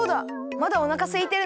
まだおなかすいてるなら